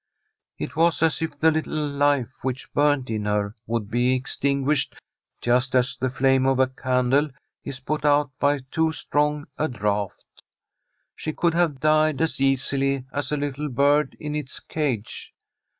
It was as if the little life which burnt in her would be extinguished, just as the flame of a can dle is put out by too strong a draught. She could have died as easily as a little bird in its cage.